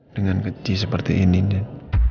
dengan keji seperti ini nen